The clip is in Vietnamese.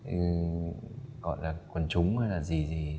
gọi là quần trúng hay là gì gì